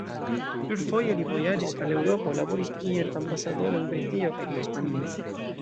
Plurfoje li vojaĝis al Eŭropo, laboris kiel ambasadoro en Britio kaj Hispanio.